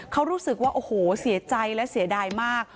เขารู้สึกว่าโอ้โหเสียใจและเสียดายมาก